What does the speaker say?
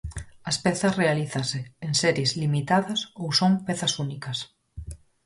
As pezas realízanse en series limitadas ou son pezas únicas.